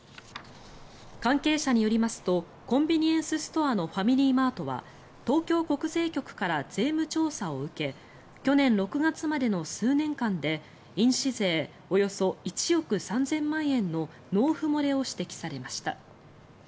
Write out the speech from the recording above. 関係者によりますとコンビニエンスストアのファミリーマートは東京国税局から税務調査を受け去年６月までの数年間で印紙税およそ１億３０００万円の納付漏れを指摘されました。